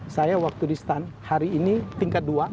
saya waktu di stan hari ini tingkat dua